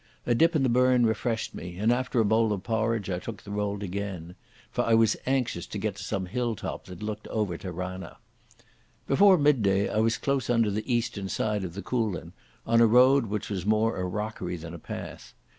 A dip in the burn refreshed me, and after a bowl of porridge I took the road again. For I was anxious to get to some hill top that looked over to Ranna. Before midday I was close under the eastern side of the Coolin, on a road which was more a rockery than a path.